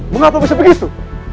mengapa bisa begitu